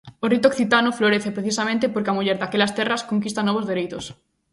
O rito occitano florece precisamente porque a muller daquelas terras conquista novos dereitos.